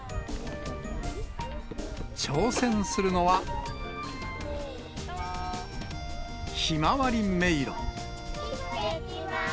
挑戦するのは、ひまわりめいろ。